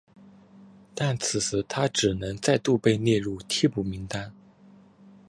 但此时他只能再度被列入替补名单。